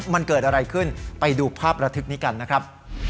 มันเกิดอะไรขึ้นไปดูภาพระทึกนี้กันนะครับ